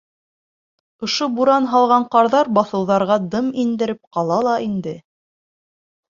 Ошо буран һалған ҡарҙар баҫыуҙарға дым индереп ҡала ла инде.